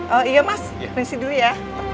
oh iya mas prinsip dulu ya